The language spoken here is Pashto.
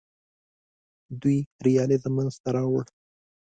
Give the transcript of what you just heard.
دوی ریالیزم منځ ته راوړ.